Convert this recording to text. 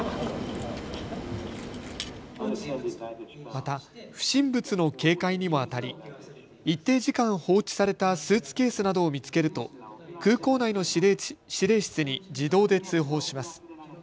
また不審物の警戒にもあたり一定時間、放置されたスーツケースなどを見つけると空港内の司令室に自動で通報します。